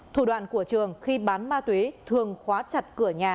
thủ đoạn của trường khi bán ma túy thường khóa chặt cửa nhà